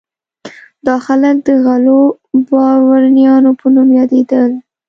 دا خلک د غلو بارونیانو په نوم یادېدل.